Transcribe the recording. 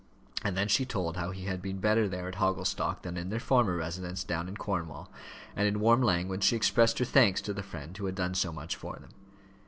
And then she told how he had been better there at Hogglestock than in their former residence down in Cornwall, and in warm language she expressed her thanks to the friend who had done so much for them.